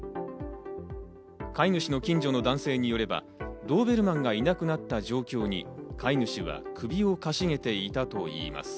飼い主の近所の男性によれば、ドーベルマンがいなくなった状況に飼い主は首をかしげていたといいます。